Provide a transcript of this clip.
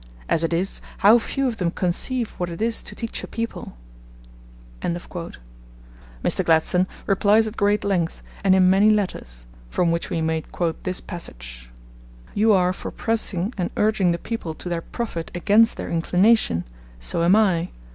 As it is, how few of them conceive what it is to teach a people'! Mr. Gladstone replies at great length, and in many letters, from which we may quote this passage: You are for pressing and urging the people to their profit against their inclination: so am I.